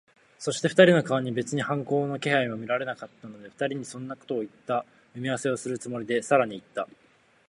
そして、二人の顔に別に反抗の気配も見られなかったので、二人にそんなことをいった埋合せをするつもりで、さらにいった。